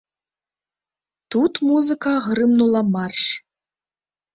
Тут музыка грымнула марш.